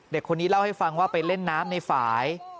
เด็กคนนี้เล่าให้ฟังว่าไปเล่นน้ำในฝ่าย